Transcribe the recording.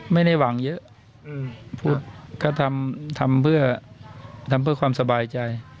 ไม่ได้หวังเยอะก็ทำเพื่อความสบายใจ